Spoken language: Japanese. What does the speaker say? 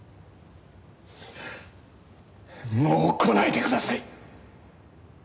もう来ないでください！